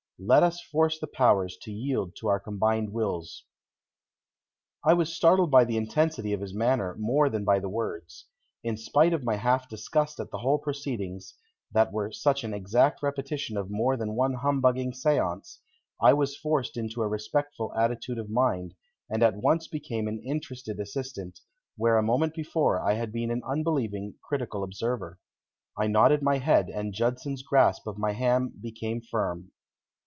Let us force the powers to yield to our combined wills." I was startled by the intensity of his manner more than by the words. In spite of my half disgust at the whole proceedings, that were such an exact repetition of more than one humbugging séance, I was forced into a respectful attitude of mind, and at once became an interested assistant, where a moment before I had been an unbelieving, critical observer. I nodded my head, and Judson's grasp of my hand became firm.